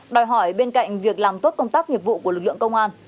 đòi hỏi bên cạnh việc làm tốt công tác nghiệp vụ của lực lượng công an